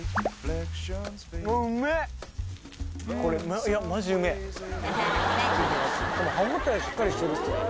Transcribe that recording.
これ歯ごたえしっかりしてるっすね